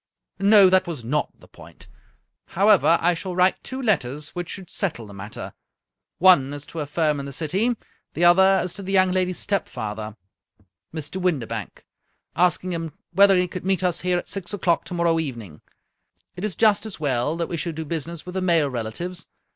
" No, that was not the point. However, I shall write two letters which should settle the matter. One is to a firm in the City, the other is to the young lady's stepfather, 54 A. Conan Doyle Mr. Windibank, asking him whether he could meet us here at six o'clock to morrow evening. It is just as well that we should do business with the male relatives.